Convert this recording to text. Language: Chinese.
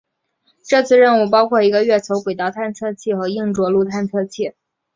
这次任务包括一个月球轨道探测器和硬着陆探测器。